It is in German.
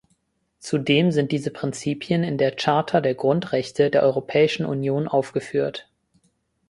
Zudem sind diese Prinzipien in der Charta der Grundrechte der Europäischen Union aufgeführt.